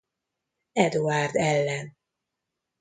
Eduárd ellen.